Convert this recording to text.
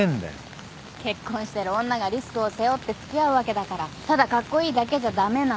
結婚してる女がリスクを背負って付き合うわけだからただカッコイイだけじゃ駄目なの。